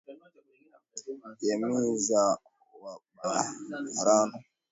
jamii za Waborana